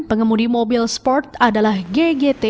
pengemudi mobil sport adalah ggt